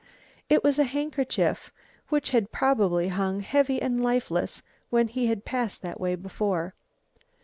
It was a handkerchief, which had probably hung heavy and lifeless when he had passed that way before.